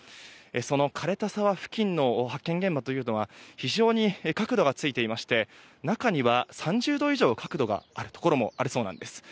その枯れた沢付近の発見現場というのは非常に角度がついていまして中には３０度以上角度があるところもあるそうなんです。